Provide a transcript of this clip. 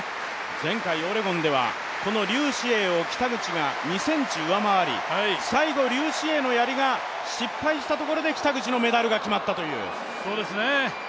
前回オレゴンではこの劉詩穎を北口が１ｃｍ上回り、劉詩穎のやりが失敗したところで北口のメダルが決まったという。